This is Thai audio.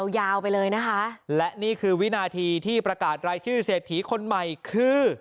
ยาวไปเลยนะคะและนี่คือวินาทีที่ประกาศรายชื่อเศรษฐีคนใหม่คือ